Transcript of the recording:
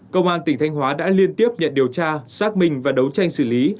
công an tỉnh thanh hóa đã liên tiếp nhận điều tra xác minh và đấu tranh xử lý